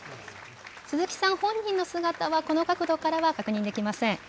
鈴木さん本人の姿は、この角度からは確認できません。